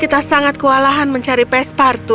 kita sangat kewalahan mencari pesparto